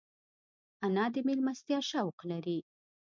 انا د مېلمستیا شوق لري